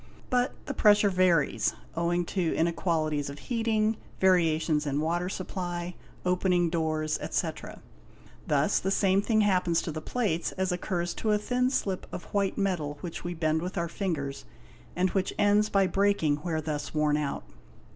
But the pressure varies, owing to inequalities of heating, variations in water supply, opening doors, etc. Thus the same thing happens to the plates as occurs to a thin slip of white metal which' we bend with our fingers, and which ends by breaking where thus worn out.